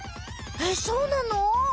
えそうなの？